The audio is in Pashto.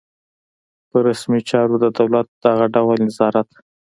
پر رسمي چارو د دولت دغه ډول نظارت.